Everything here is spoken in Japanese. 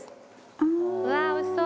うわーおいしそう！